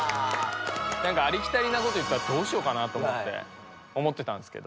なんかありきたりなこと言ったらどうしようかなと思ってたんですけど。